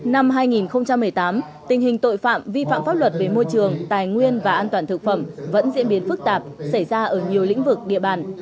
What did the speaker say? năm hai nghìn một mươi tám tình hình tội phạm vi phạm pháp luật về môi trường tài nguyên và an toàn thực phẩm vẫn diễn biến phức tạp xảy ra ở nhiều lĩnh vực địa bàn